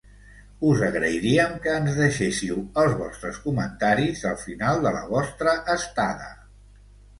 Us agrairíem que ens deixéssiu els vostres comentaris al final de la vostra estada.